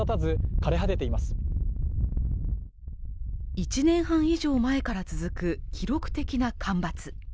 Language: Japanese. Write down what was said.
１年半以上前から続く記録的な干ばつ